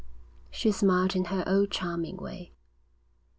She smiled in her old charming way.